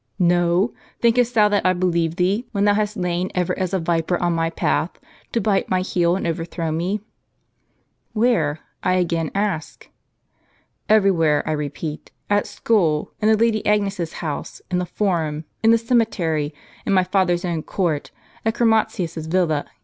"JSTo? thinkest thou that I believe thee, when thou hast lain ever as a viper on my path, to bite my heel and overthrow me ?" "Where, I again ask? " "Every where, I repeat. At school; in the Lady Agnes's house ; in the Forum ; in the cemetery ; in my father's own court; at Chromatius's villa.